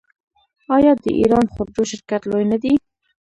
آیا د ایران خودرو شرکت لوی نه دی؟